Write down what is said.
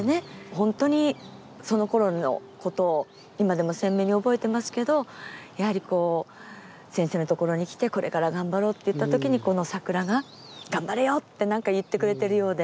本当にそのころのことを今でも鮮明に覚えてますけどやはりこう先生のところに来てこれから頑張ろうっていった時にこの桜が「頑張れよ！」って何か言ってくれてるようで。